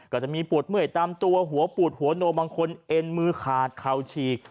ก็จะมีปวดเมื่อยตามตัวหัวปูดหัวโนบางคนเอ็นมือขาดเข่าฉีก